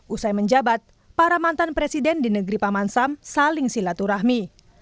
usai menjabat para mantan presiden di negeri paman sam saling silaturahmi